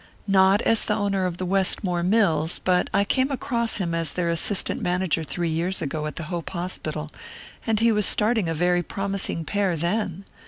"Not as the owner of the Westmore Mills; but I came across him as their assistant manager three years ago, at the Hope Hospital, and he was starting a very promising pair then.